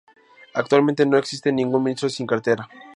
Actualmente no existe ningún ministro sin cartera.